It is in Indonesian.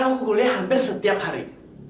aku kuliah hampir setiap hari